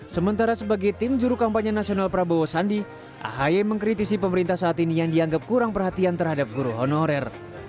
sementara sebagai tim juru kampanye nasional prabowo sandi ahy mengkritisi pemerintah saat ini yang dianggap kurang perhatian terhadap guru honorer